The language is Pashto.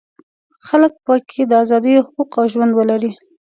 خلک په کې د ازادیو حقوق او ژوند ولري.